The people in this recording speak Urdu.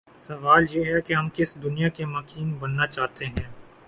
سوال یہ ہے کہ ہم کس دنیا کے مکین بننا چاہتے ہیں؟